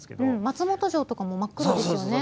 松本城とかも真っ黒ですよね。